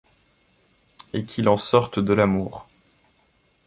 Et qu'il en sorte de l'amour.